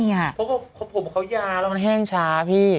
เพราะผมของเขายาแล้วมันแห้งช้า